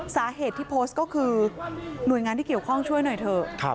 สาเหตุที่โพสต์ก็คือหน่วยงานที่เกี่ยวข้องช่วยหน่อยเถอะ